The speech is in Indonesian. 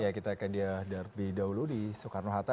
ya kita akan lihat lebih dahulu di soekarno hatta